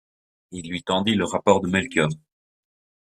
Il lui tendit le rapport de Melchior.